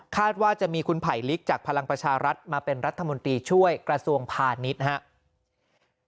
ว่าจะมีคุณไผลลิกจากพลังประชารัฐมาเป็นรัฐมนตรีช่วยกระทรวงพาณิชย์ครับ